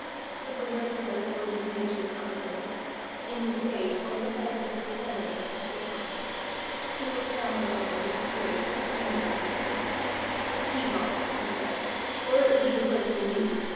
But the worst part of Forgue's nature was uppermost, in his rage all the vices of his family rushed to the top. He looked down on Donal with a fury checked only by contempt. "Keep off," he said, "or it will be the worse for you.